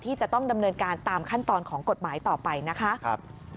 จะต้องดำเนินการตามขั้นตอนของกฎหมายต่อไปนะคะ